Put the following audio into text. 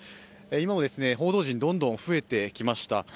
今も報道陣、どんどん増えてきました。